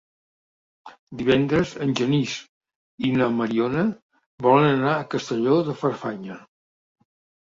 Divendres en Genís i na Mariona volen anar a Castelló de Farfanya.